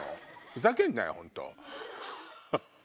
ふざけんなよ本当。